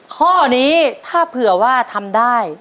ข้อนี้ถ้าเผื่อว่าทำได้